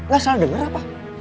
gak salah denger apa